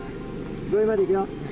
病院まで行くよ。